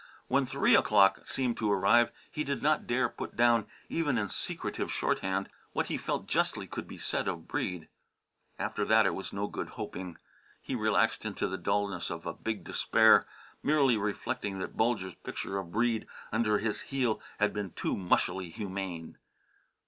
When three o'clock seemed to arrive he did not dare put down, even in secretive shorthand, what he felt could justly be said of Breede. After that it was no good hoping. He relaxed into the dullness of a big despair, merely reflecting that Bulger's picture of Breede under his heel had been too mushily humane.